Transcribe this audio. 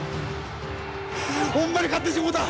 ほんまに勝ってしもうた。